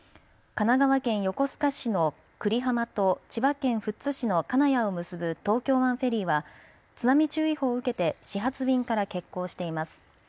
神奈川県横須賀市の久里浜と千葉県富津市の金谷を結ぶ東京湾フェリーは津波注意報を受けて始発便から欠航しています。